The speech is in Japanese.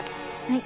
はい。